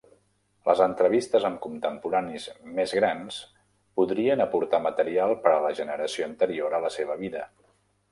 Les entrevistes amb contemporanis més grans podrien aportar material per a la generació anterior a la seva vida.